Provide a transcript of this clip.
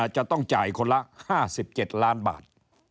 จะต้องจ่ายคนละ๕๗ล้านบาท